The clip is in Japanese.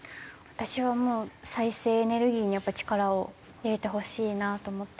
私はもう再生エネルギーにやっぱ力を入れてほしいなと思って。